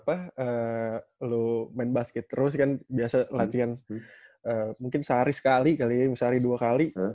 apa lo main basket terus kan biasa latihan mungkin sehari sekali kali ya sehari dua kali